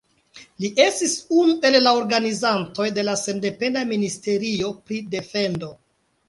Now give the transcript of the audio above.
Li estis unu el la organizantoj de la sendependa ministerio pri defendo.